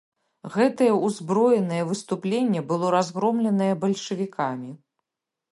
Гэтае ўзброенае выступленне было разгромленае бальшавікамі.